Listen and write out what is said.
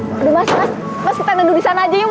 mas mas mas kita nunggu disana aja ya mas